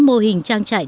mô hình trang trại